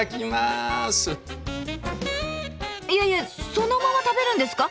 いやいやそのまま食べるんですか？